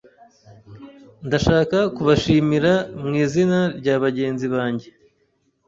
Ndashaka kubashimira mu izina rya bagenzi banjye.